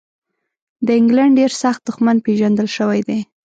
د انګلینډ ډېر سخت دښمن پېژندل شوی دی.